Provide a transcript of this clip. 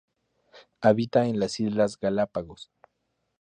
Habita en las islas Galápagos.